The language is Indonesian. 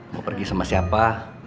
mau pergi sama siapa